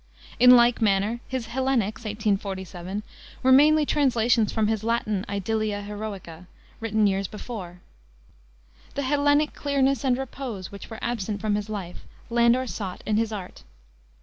In like manner his Hellenics, 1847, were mainly translations from his Latin Idyllia Heroica, written years before. The Hellenic clearness and repose which were absent from his life, Landor sought in his art.